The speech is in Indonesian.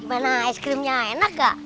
mana es krimnya enak gak